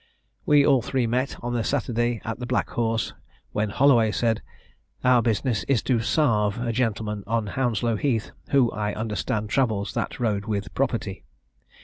We all three met on the Saturday at the Black Horse, when Holloway said, 'Our business is to sarve a gentleman on Hounslow Heath, who, I understand, travels that road with property.'